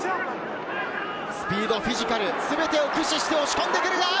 スピード、フィジカル、全てを駆使して押し込んでくる。